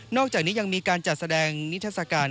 อกจากนี้ยังมีการจัดแสดงนิทัศกาล